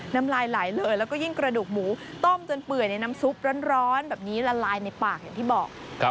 น้ำลายหลายเลยต้มจนเปื่อยในน้ำซุปร้อนแบบนี้ละลายในปากอย่างที่บอก